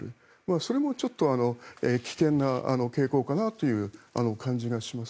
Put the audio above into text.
それもちょっと危険な傾向かなという感じがします。